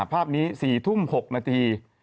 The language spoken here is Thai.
ภาพนี้๔ทุ่ม๖นาที